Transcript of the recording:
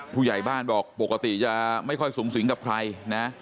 ผู้ใหญ่บ้านบอกปกติจะไม่ค่อยสูงสิงกับใครนะ